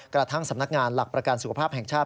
กระทั่งสำนักงานหลักประกันสุขภาพแห่งชาติ